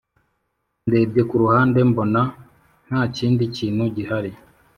ndebye kuruhande mbona ntakindi kintu gihari